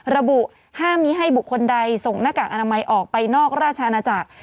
ระบุห้ามมีให้บุคคลใดส่งหน้ากากอนามัยออกไปนอกราชอาณาจักร